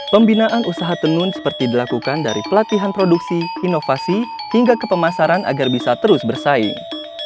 pembinaan usaha tenun seperti dilakukan dari pelatihan produksi inovasi hingga ke pemasaran agar bisa terus bersaing